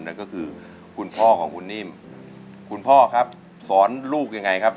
นั่นก็คือคุณพ่อของคุณนิ่มคุณพ่อครับสอนลูกยังไงครับ